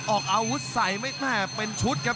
ออกอาวุธใส่ไม่แม่เป็นชุดครับ